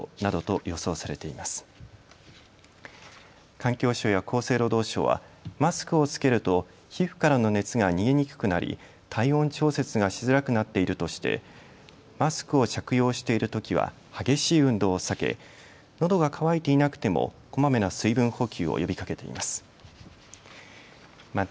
環境省や厚生労働省はマスクを着けると皮膚からの熱が逃げにくくなり体温調節がしづらくなっているとしてマスクを着用しているときは激しい運動を避けのどが渇いていなくてもこまめな水分補給を呼びかけています。